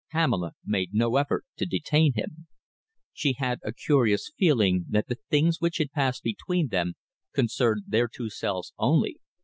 Pamela made no effort to detain him. She had a curious feeling that the things which had passed between them concerned their two selves only.